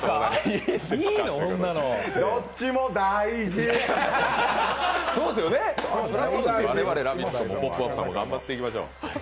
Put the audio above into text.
我々「ラヴィット！」もポップＵＰ」さんも頑張っていきましょう。